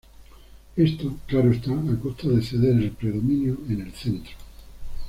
Esto, claro está, a costa de ceder el predominio en el centro.